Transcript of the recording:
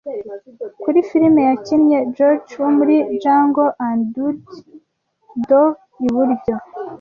Kuri firime, yakinnye George wo muri Jungle & Dudley Do-Iburyo